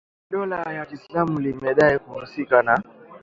Kundi la dola ya Kiislamu limedai kuhusika na